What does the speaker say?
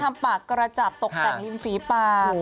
ปากกระจับตกแต่งริมฝีปาก